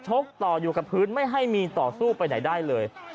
กต่ออยู่กับพื้นไม่ให้มีต่อสู้ไปไหนได้เลย